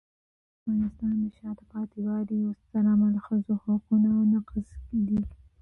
د افغانستان د شاته پاتې والي یو ستر عامل ښځو حقونو نقض دی.